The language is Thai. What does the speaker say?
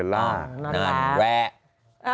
นั่นแหละ